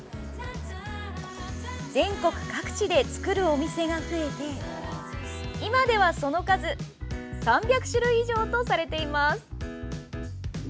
全国各地で作るお店が増えて今では、その数３００種類以上とされています。